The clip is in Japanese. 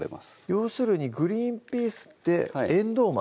要するにグリンピースってえんどう豆？